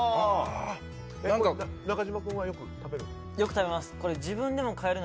中島君はよく食べる？